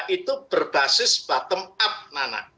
itu berbasis bottom up nana